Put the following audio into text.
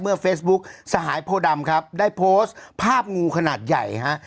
เฟซบุ๊กสหายโพดำครับได้โพสต์ภาพงูขนาดใหญ่ฮะ